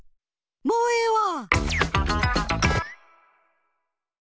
もうええわ！